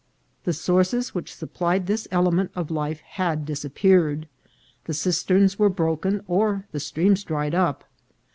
The sources which supplied this element of life had disappeared ; the cisterns were broken, or the streams dried up.